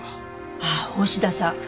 ああ大志田さん。